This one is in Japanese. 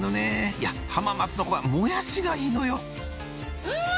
いや浜松のもやしがいいのようん！